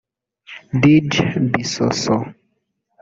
Dj Bissoso